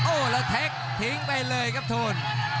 โอ้โหแล้วเทคทิ้งไปเลยครับโทน